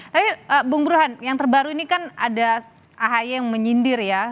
tapi bung burhan yang terbaru ini kan ada ahy yang menyindir ya